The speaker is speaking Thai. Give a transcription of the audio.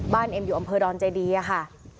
เอ็มอยู่อำเภอดอนเจดีอะค่ะ